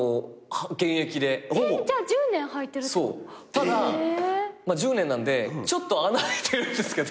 ただ１０年なんでちょっと穴開いてるんですけど。